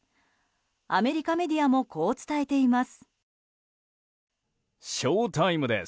アメリカメディアもこう伝えています。